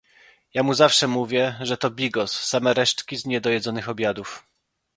"Ja mu zawsze mówię, że to bigos, same resztki z niedojedzonych obiadów."